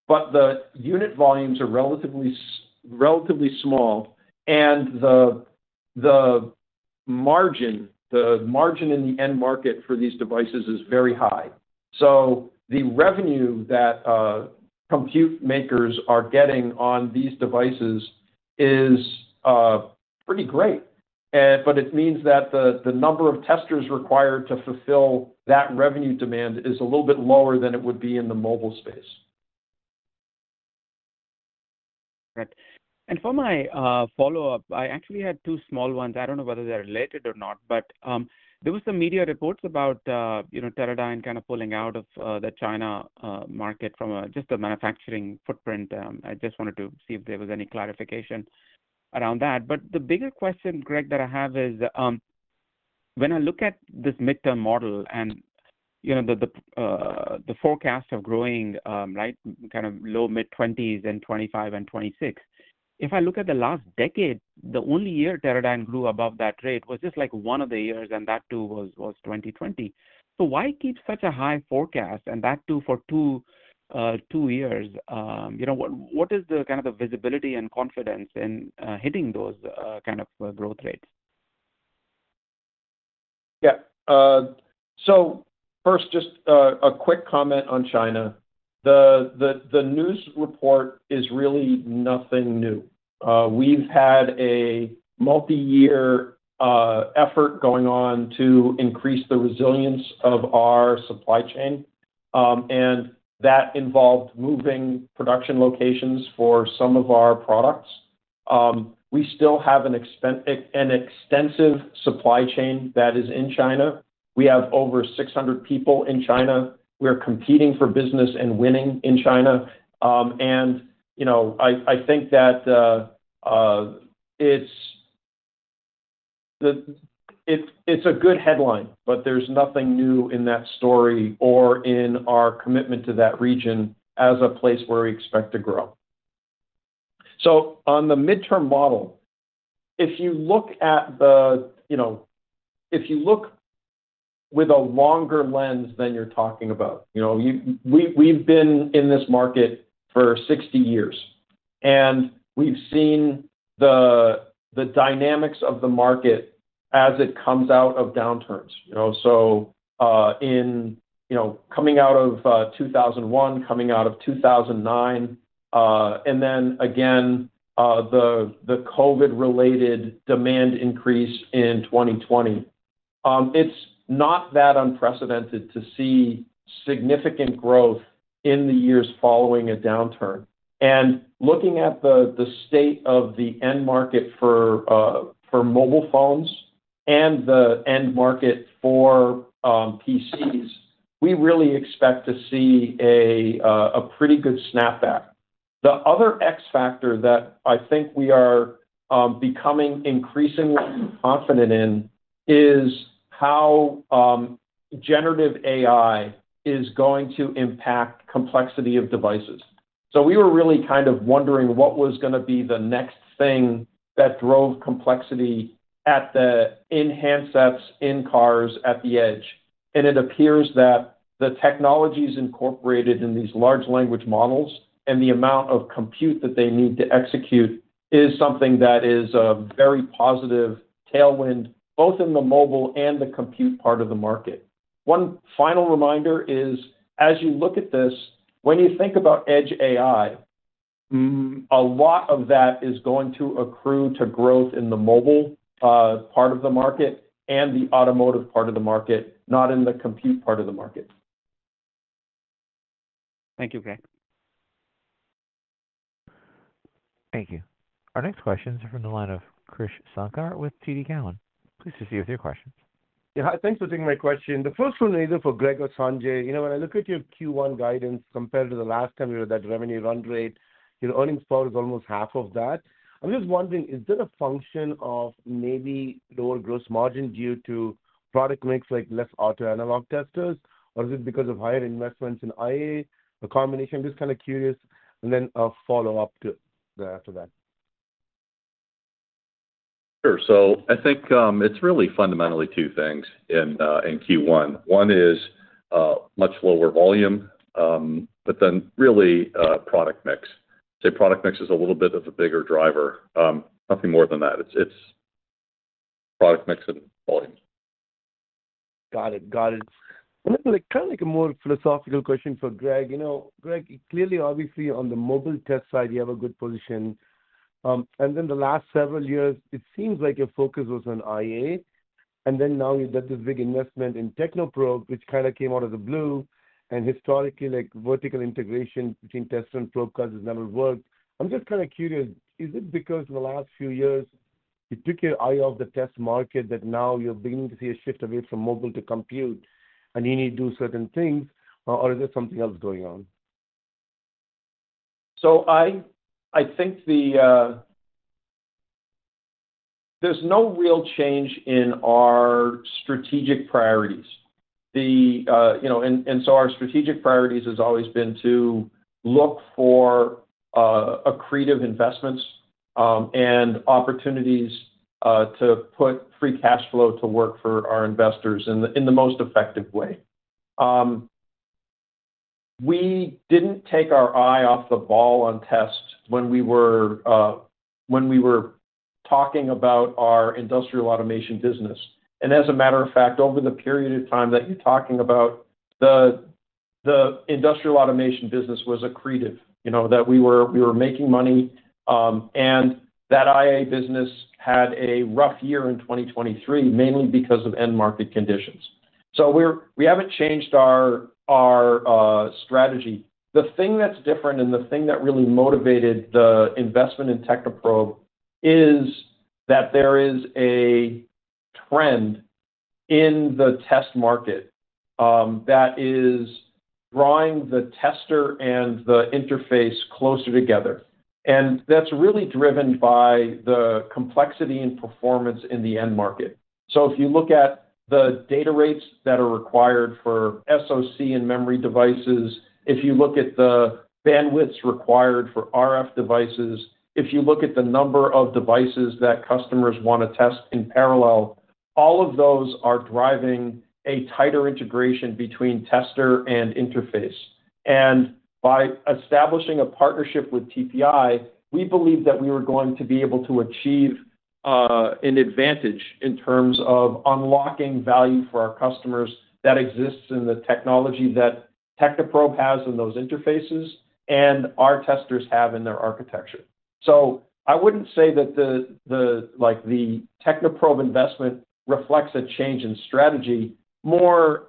but the unit volumes are relatively small, and the margin in the end market for these devices is very high. So the revenue that compute makers are getting on these devices is pretty great, but it means that the number of testers required to fulfill that revenue demand is a little bit lower than it would be in the mobile space. Right. And for my follow-up, I actually had two small ones. I don't know whether they're related or not, but there were some media reports about, you know, Teradyne kind of pulling out of the China market from just a manufacturing footprint. I just wanted to see if there was any clarification around that. But the bigger question, Greg, that I have is, when I look at this midterm model and you know, the forecast of growing right, kind of low mid-twenties and 25 and 26. If I look at the last decade, the only year Teradyne grew above that rate was just, like, one of the years, and that, too, was 2020. So why keep such a high forecast, and that, too, for two years? You know, what is the kind of visibility and confidence in hitting those kind of growth rates? Yeah. So first, just a quick comment on China. The news report is really nothing new. We've had a multi-year effort going on to increase the resilience of our supply chain, and that involved moving production locations for some of our products. We still have an extensive supply chain that is in China. We have over 600 people in China. We're competing for business and winning in China. And, you know, I think that it's a good headline, but there's nothing new in that story or in our commitment to that region as a place where we expect to grow. So on the midterm model, if you look at the... You know, if you look with a longer lens than you're talking about, you know, we've been in this market for 60 years, and we've seen the dynamics of the market as it comes out of downturns. You know, coming out of 2001, coming out of 2009, and then again, the COVID-related demand increase in 2020. It's not that unprecedented to see significant growth in the years following a downturn. And looking at the state of the end market for mobile phones and the end market for PCs, we really expect to see a pretty good snapback. The other X factor that I think we are becoming increasingly confident in is how generative AI is going to impact complexity of devices. So we were really kind of wondering what was gonna be the next thing that drove complexity at the-- in handsets, in cars, at the edge. It appears that the technologies incorporated in these large language models and the amount of compute that they need to execute is something that is a very positive tailwind, both in the mobile and the compute part of the market. One final reminder is, as you look at this, when you think about Edge AI, a lot of that is going to accrue to growth in the mobile part of the market and the automotive part of the market, not in the compute part of the market. Thank you, Greg. Thank you. Our next question is from the line of Krish Sankar with TD Cowen. Please proceed with your question. Yeah, hi. Thanks for taking my question. The first one is for Greg or Sanjay. You know, when I look at your Q1 guidance compared to the last time we were at that revenue run rate, your earnings power is almost half of that. I'm just wondering, is that a function of maybe lower gross margin due to product mix, like less auto analog testers, or is it because of higher investments in AI, a combination? Just kind of curious. And then I'll follow up to after that. Sure. So I think, it's really fundamentally two things in Q1. One is much lower volume, but then really product mix. The product mix is a little bit of a bigger driver, nothing more than that. It's product mix and volume. Got it. Got it. And then, like, kind of like a more philosophical question for Greg. You know, Greg, clearly, obviously on the Mobile Test side, you have a good position. And then the last several years, it seems like your focus was on IA, and then now you've done this big investment in Technoprobe, which kind of came out of the blue. And historically, like, vertical integration between test and probe cards has never worked. I'm just kind of curious, is it because in the last few years, you took your eye off the test market, that now you're beginning to see a shift away from mobile to compute, and you need to do certain things, or is there something else going on? So I think there's no real change in our strategic priorities. You know, so our strategic priorities has always been to look for accretive investments and opportunities to put free cash flow to work for our investors in the most effective way. We didn't take our eye off the ball on test when we were talking about our industrial automation business. And as a matter of fact, over the period of time that you're talking about, the industrial automation business was accretive. You know that we were making money and that IA business had a rough year in 2023, mainly because of end market conditions. So we haven't changed our strategy. The thing that's different and the thing that really motivated the investment in Technoprobe is that there is a trend in the test market drawing the tester and the interface closer together. And that's really driven by the complexity and performance in the end market. So if you look at the data rates that are required for SoC and memory devices, if you look at the bandwidths required for RF devices, if you look at the number of devices that customers want to test in parallel, all of those are driving a tighter integration between tester and interface. And by establishing a partnership with TPI, we believe that we were going to be able to achieve an advantage in terms of unlocking value for our customers that exists in the technology that Technoprobe has in those interfaces, and our testers have in their architecture. So I wouldn't say that like the Technoprobe investment reflects a change in strategy. More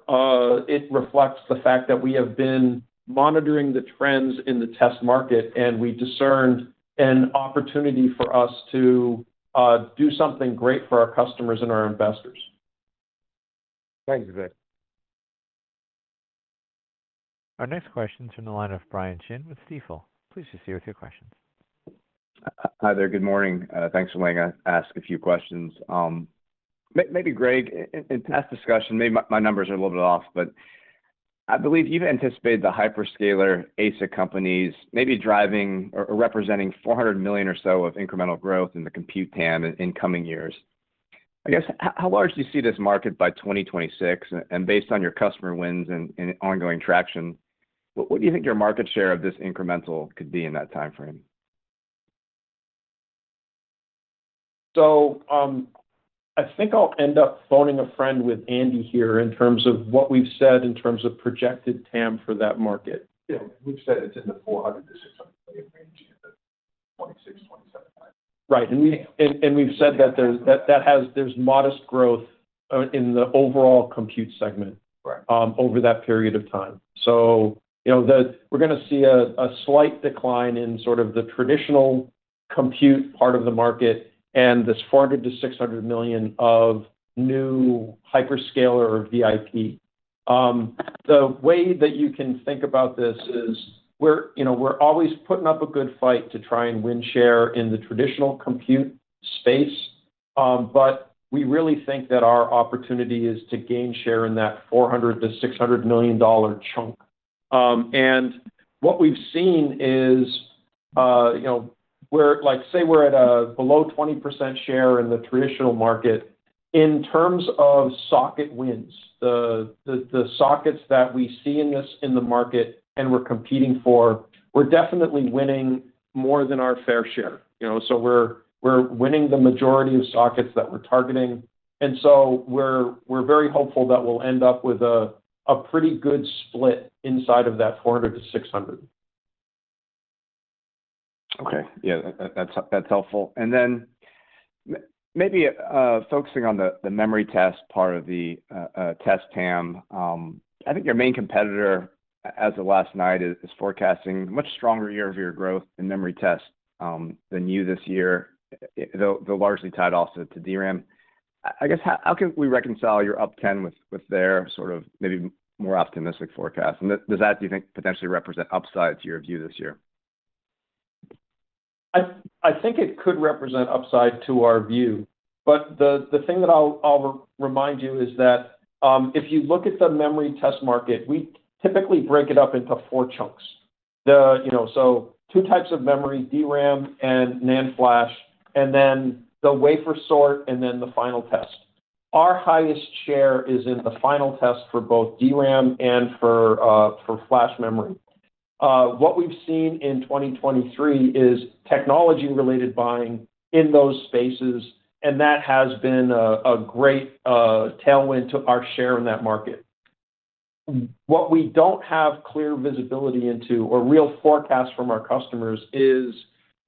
it reflects the fact that we have been monitoring the trends in the test market, and we discerned an opportunity for us to do something great for our customers and our investors. Thank you, Greg. Our next question is from the line of Brian Chin with Stifel. Please proceed with your questions. Hi there. Good morning. Thanks for letting us ask a few questions. Maybe, Greg, in past discussion, maybe my numbers are a little bit off, but I believe you've anticipated the hyperscaler ASIC companies maybe driving or representing $400 million or so of incremental growth in the compute TAM in coming years. I guess, how large do you see this market by 2026? And based on your customer wins and ongoing traction, what do you think your market share of this incremental could be in that timeframe? I think I'll end up phoning a friend with Andy here, in terms of what we've said in terms of projected TAM for that market. Yeah, we've said it's in the $400 million-$600 million range, 2026, 2027. Right. And we've said that there's modest growth in the overall compute segment. Right... over that period of time. So you know, we're gonna see a slight decline in sort of the traditional compute part of the market and this $400 million-$600 million of new hyperscaler or VIP. The way that you can think about this is we're, you know, we're always putting up a good fight to try and win share in the traditional compute space, but we really think that our opportunity is to gain share in that $400 million-$600 million dollar chunk. And what we've seen is, you know, we're like, say we're at a below 20% share in the traditional market. In terms of socket wins, the sockets that we see in this, in the market and we're competing for, we're definitely winning more than our fair share, you know. So we're winning the majority of sockets that we're targeting, and so we're very hopeful that we'll end up with a pretty good split inside of that 400-600. Okay. Yeah, that's helpful. And then maybe focusing on the Memory Test part of the test TAM. I think your main competitor, as of last night, is forecasting a much stronger year-over-year growth in Memory Test than you this year, though largely tied also to DRAM. I guess, how can we reconcile your up 10% with their sort of maybe more optimistic forecast? And does that, do you think, potentially represent upside to your view this year? I think it could represent upside to our view, but the thing that I'll re-remind you is that, if you look at the Memory Test market, we typically break it up into four chunks. You know, so two types of memory, DRAM and NAND flash, and then the wafer sort, and then the final test. Our highest share is in the final test for both DRAM and for flash memory. What we've seen in 2023 is technology-related buying in those spaces, and that has been a great tailwind to our share in that market. What we don't have clear visibility into, or real forecast from our customers, is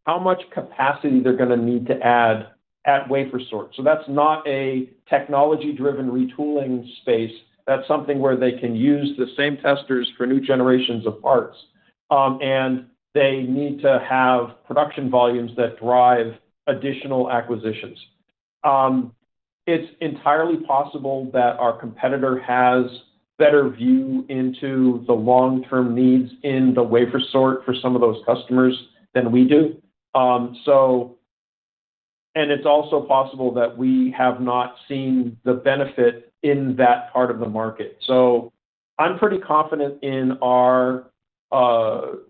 how much capacity they're gonna need to add at wafer sort. So that's not a technology-driven retooling space. That's something where they can use the same testers for new generations of parts, and they need to have production volumes that drive additional acquisitions. It's entirely possible that our competitor has better view into the long-term needs in the wafer sort for some of those customers than we do. And it's also possible that we have not seen the benefit in that part of the market. So I'm pretty confident that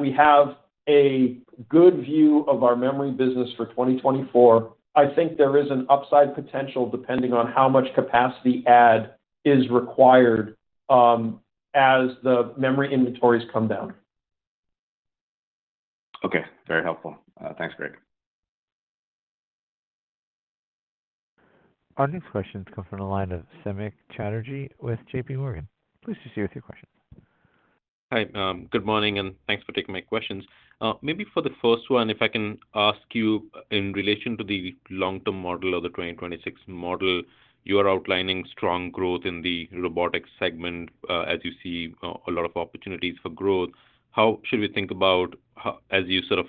we have a good view of our memory business for 2024. I think there is an upside potential, depending on how much capacity add is required, as the memory inventories come down. Okay. Very helpful. Thanks, Greg. Our next question comes from the line of Samik Chatterjee with JPMorgan. Please proceed with your questions. Hi, good morning, and thanks for taking my questions. Maybe for the first one, if I can ask you, in relation to the long-term model or the 2026 model, you are outlining strong growth in the Robotics segment, as you see, a lot of opportunities for growth. How should we think about as you sort of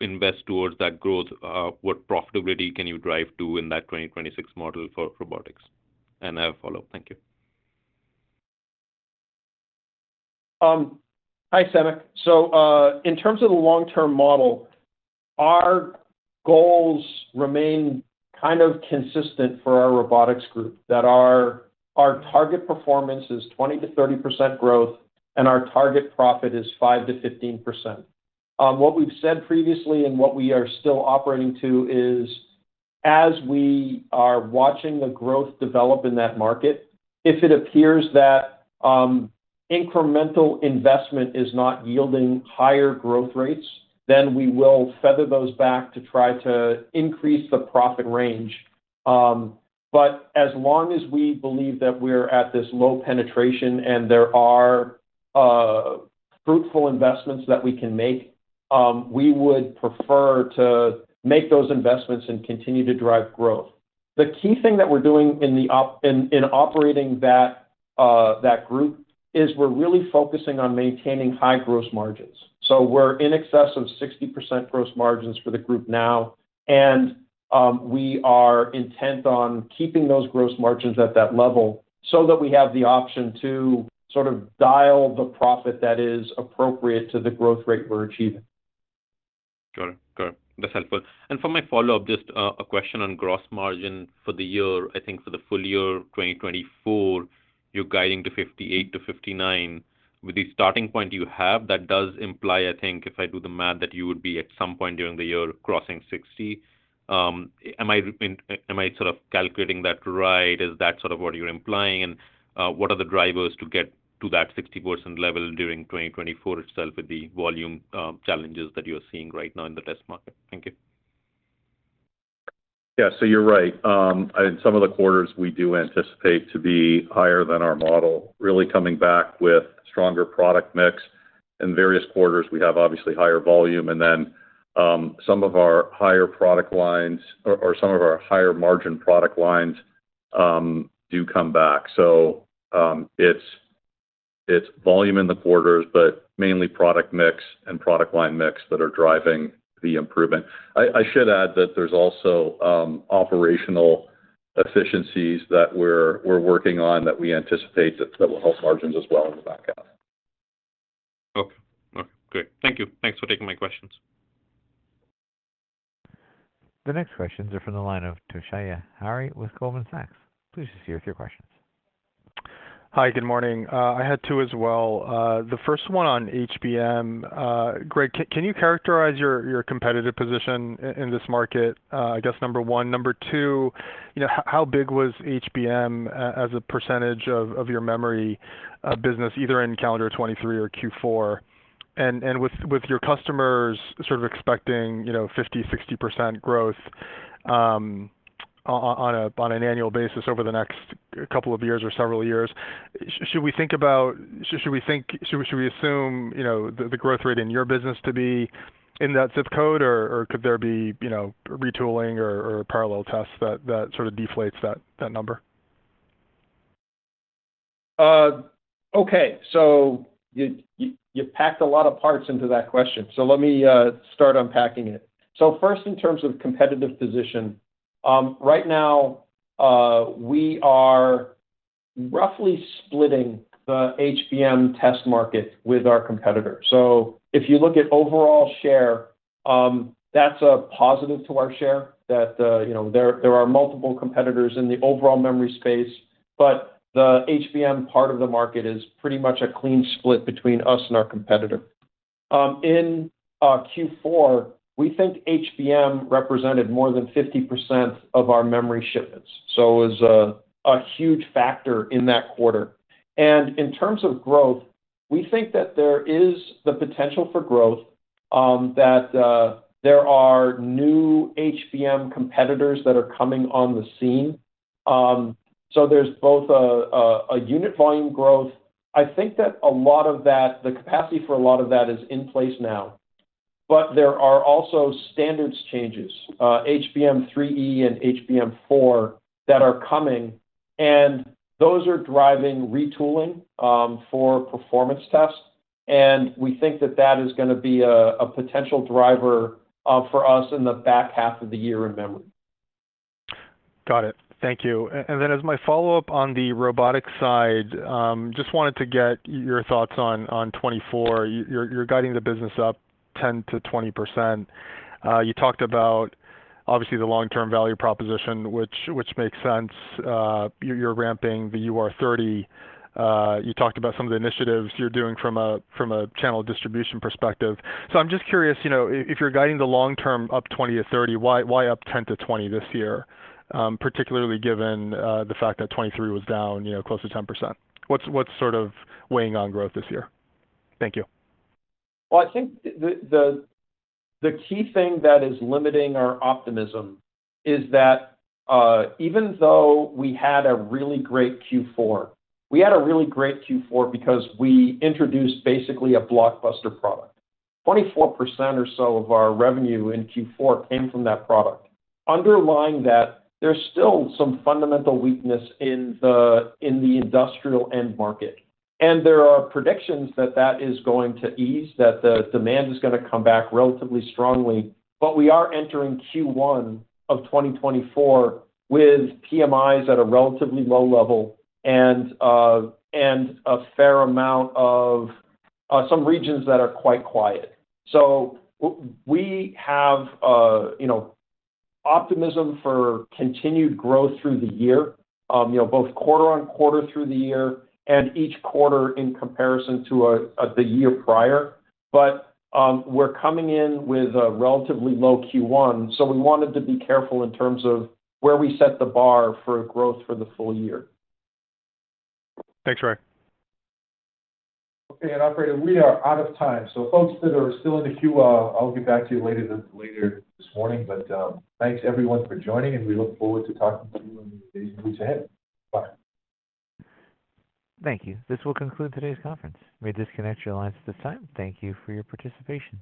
invest towards that growth, what profitability can you drive to in that 2026 model for Robotics? And I have a follow-up. Thank you. Hi, Samik. So, in terms of the long-term model, our goals remain kind of consistent for our Robotics group, that our, our target performance is 20%-30% growth, and our target profit is 5%-15%. What we've said previously and what we are still operating to is, as we are watching the growth develop in that market, if it appears that, incremental investment is not yielding higher growth rates, then we will feather those back to try to increase the profit range. But as long as we believe that we're at this low penetration and there are, fruitful investments that we can make, we would prefer to make those investments and continue to drive growth. The key thing that we're doing in operating that group is we're really focusing on maintaining high gross margins. So we're in excess of 60% gross margins for the group now, and we are intent on keeping those gross margins at that level so that we have the option to sort of dial the profit that is appropriate to the growth rate we're achieving. Sure. Sure. That's helpful. For my follow-up, just a question on gross margin for the year. I think for the full year, 2024, you're guiding to 58%-59%. With the starting point you have, that does imply, I think, if I do the math, that you would be at some point during the year crossing 60%. Am I sort of calculating that right? Is that sort of what you're implying? And what are the drivers to get to that 60% level during 2024 itself, with the volume challenges that you're seeing right now in the test market? Thank you. Yeah. So you're right. In some of the quarters, we do anticipate to be higher than our model, really coming back with stronger product mix. In various quarters, we have obviously higher volume, and then some of our higher product lines, or some of our higher margin product lines, do come back. So it's volume in the quarters, but mainly product mix and product line mix that are driving the improvement. I should add that there's also operational efficiencies that we're working on that we anticipate that will help margins as well in the back half. Okay. Okay, great. Thank you. Thanks for taking my questions. The next questions are from the line of Toshiya Hari with Goldman Sachs. Please proceed with your questions. Hi, good morning. I had two as well. The first one on HBM. Greg, can you characterize your competitive position in this market? I guess, number one. Number two, you know, how big was HBM as a percentage of your memory business, either in calendar 2023 or Q4? And with your customers sort of expecting, you know, 50%-60% growth on an annual basis over the next couple of years or several years, should we think about - should we think, should we, should we assume, you know, the growth rate in your business to be in that zip code, or could there be, you know, retooling or parallel tests that sort of deflates that number? Okay, so you packed a lot of parts into that question, so let me start unpacking it. So first, in terms of competitive position, right now, we are roughly splitting the HBM test market with our competitor. So if you look at overall share, that's a positive to our share, that you know, there are multiple competitors in the overall memory space, but the HBM part of the market is pretty much a clean split between us and our competitor. In Q4, we think HBM represented more than 50% of our memory shipments, so it was a huge factor in that quarter. And in terms of growth, we think that there is the potential for growth, that there are new HBM competitors that are coming on the scene. So there's both a unit volume growth. I think that a lot of that, the capacity for a lot of that is in place now. But there are also standards changes, HBM3E and HBM4, that are coming, and those are driving retooling for performance tests. And we think that that is gonna be a potential driver for us in the back half of the year in memory. Got it. Thank you. And then as my follow-up on the Robotics side, just wanted to get your thoughts on 2024. You're guiding the business up 10%-20%. You talked about, obviously, the long-term value proposition, which makes sense. You're ramping the UR30. You talked about some of the initiatives you're doing from a channel distribution perspective. So I'm just curious, you know, if you're guiding the long term up 20%-30%, why up 10%-20% this year, particularly given the fact that 2023 was down, you know, close to 10%? What's sort of weighing on growth this year? Thank you. Well, I think the key thing that is limiting our optimism is that, even though we had a really great Q4. We had a really great Q4 because we introduced basically a blockbuster product. 24% or so of our revenue in Q4 came from that product. Underlying that, there's still some fundamental weakness in the industrial end market, and there are predictions that that is going to ease, that the demand is gonna come back relatively strongly. But we are entering Q1 of 2024 with PMIs at a relatively low level and a fair amount of some regions that are quite quiet. So we have, you know, optimism for continued growth through the year, you know, both quarter-over-quarter through the year and each quarter in comparison to the year prior. But, we're coming in with a relatively low Q1, so we wanted to be careful in terms of where we set the bar for growth for the full year. Thanks, Greg. Okay, and operator, we are out of time, so folks that are still in the queue, I'll get back to you later, later this morning. But, thanks, everyone, for joining, and we look forward to talking to you in the days and weeks ahead. Bye. Thank you. This will conclude today's conference. You may disconnect your lines at this time. Thank you for your participation.